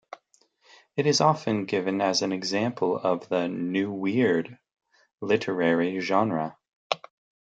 It is often given as an example of the New Weird literary genre.